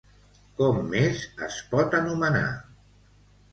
Com més es pot anomenar?